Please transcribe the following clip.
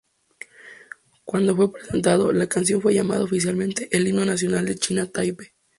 Cuando fue presentado, la canción fue llamada oficialmente el "Himno Nacional de China Taipei".